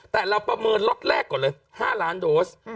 แต่เราประเมินล็อตแรกก่อนเลย๕ล้านโดส